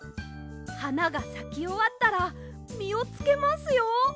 はながさきおわったらみをつけますよ！